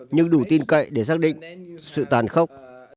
nhưng đủ tin cậy để xác định sự tàn khốc